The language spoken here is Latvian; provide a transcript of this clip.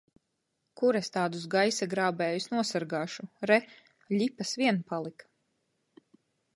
Kur es tādus gaisa grābējus nosargāšu! Re, ļipas vien palika!